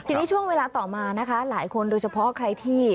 ทีนี้ช่วงเวลาต่อมานะคะหลายคนโดยเฉพาะใครที่